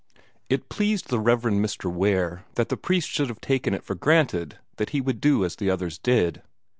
It pleased the Rev. Mr. Ware that the priest should have taken it for granted that he would do as the others did.